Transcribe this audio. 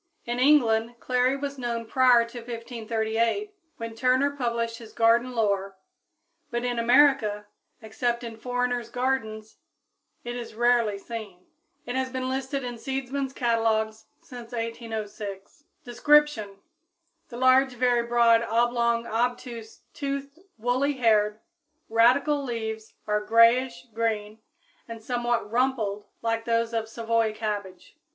In England clary was known prior to 1538, when Turner published his garden lore, but in America, except in foreigners' gardens, it is rarely seen. It has been listed in seedsmen's catalogs since 1806. Description. The large, very broad, oblong, obtuse, toothed, woolly haired, radical leaves are grayish green and somewhat rumpled like those of Savoy cabbage.